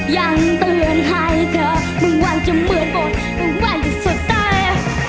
อย่างเตือนให้เธอมึงวันจะเหมือนโบสถ์มึงวันจะสดใด